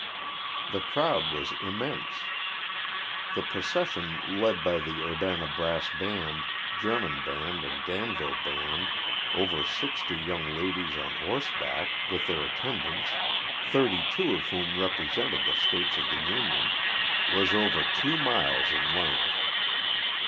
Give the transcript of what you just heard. The crowd was immense. "The procession, led by the Urbana Brass Band, German Band and Danville Band, over sixty young ladies on horse back, with their attendants, thirty two of whom represented the states of the Union," was over two miles in length.